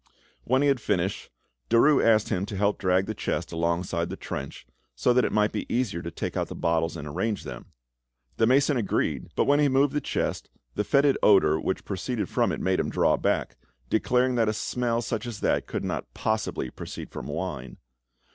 When he had finished, Derues asked him to help to drag the chest alongside the trench, so that it might be easier to take out the bottles and arrange them: The mason agreed, but when he moved the chest the foetid odour which proceeded from it made him draw back, declaring that a smell such as that could not possibly proceed from wine.